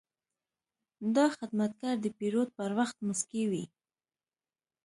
دا خدمتګر د پیرود پر وخت موسکی وي.